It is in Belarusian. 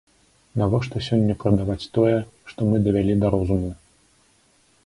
Навошта сёння прадаваць тое, што мы давялі да розуму?